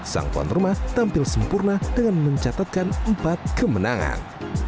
sang tuan rumah tampil sempurna dengan mencatatkan empat kemenangan